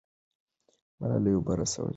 ملالۍ اوبه رسولې.